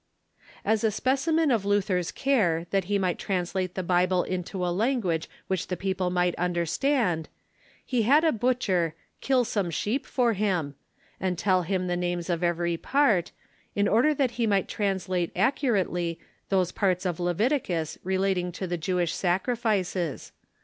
As a specimen of Luther's care that he might translate the Bible into a language which the people might understand, he had a butcher " kill some sheep for him," and tell him the names of every part, in order that he might translate accu rately those parts of Leviticus relating to tlie Jewish sacrifices.